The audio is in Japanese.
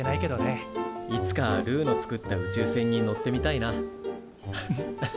いつかルーの作った宇宙船に乗ってみたいな。